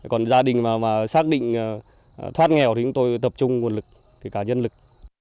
còn gia đình mà xác định thoát nghèo thì chúng tôi tập trung nguồn lực kể cả nhân lực